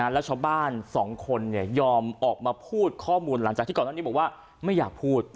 แล้วชาวบ้าน๒คนยอมออกมาพูดข้อมูลหลังจากที่ก่อนหน้านี้บอกว่าไม่อยากพูด